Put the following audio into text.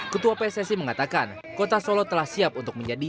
ketua pssi mengatakan kota solo telah siap untuk menjadi